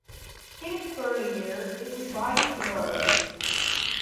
In its early years it rebodied lorries.